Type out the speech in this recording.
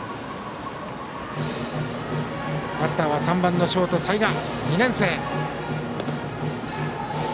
バッターは３番のショート、齊賀２年生。